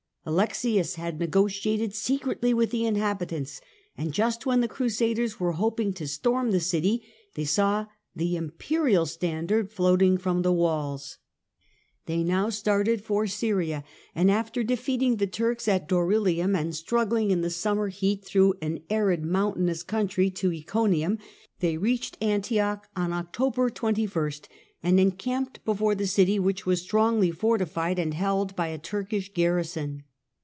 Alexius had negotiated secretly with the inhabitants, and just when the Crusaders were hoping to storm the city they saw the imperial standard floating from the walls. They now started for Battle of Syria, and after defeating the Turks at Dorylseum, and iseum", July Struggling in the summer heat through an arid moun ^'"^ tainous country to Iconium, they reached Antioch on Siege of October 21st and encamped before the city, which Oct. 1097 was strongly fortified and held by a Turkish garrison.